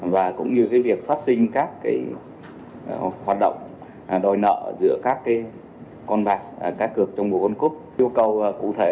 và cũng như việc phát sinh các hoạt động đòi nợ giữa các con bạc